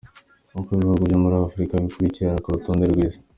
Uko ibihugu vyo muri Afrika bikurikirana ku rutonde rw'isi:.